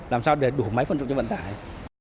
làm sao để đủ máy phân trụ cho vận tải